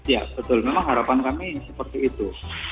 ya betul memang harapan kami seperti itu